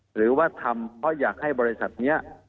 หรือว่าทำเพราะอยากให้บริษัทนี้